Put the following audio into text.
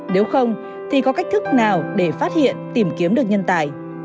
nếu không thì có cách thức nào để phát hiện tìm kiếm được nhân tài